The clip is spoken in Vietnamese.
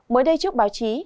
mới đây trước báo chí